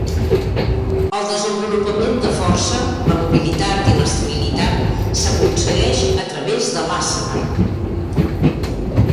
El desenvolupament de força, la mobilitat i l'estabilitat s'aconsegueix a través de l'àssana.